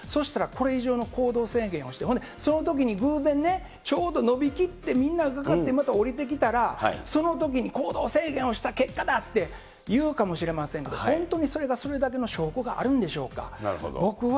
そしたらこれ以上の行動制限をして、そのときに偶然ね、ちょうど伸びきってみんながかかってまた下りてきたら、そのときに行動制限をした結果だって言うかもしれませんが、本当にそれがそれだけの証拠があるんでしょうか。